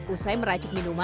usai meracik minuman